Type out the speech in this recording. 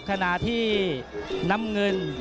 ขณะที่น้ำเงิน